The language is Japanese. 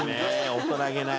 大人げない。